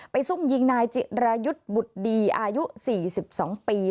ซุ่มยิงนายจิรายุทธ์บุตรดีอายุ๔๒ปี